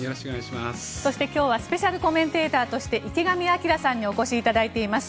そして今日はスペシャルコメンテーターとして池上彰さんにお越しいただいています。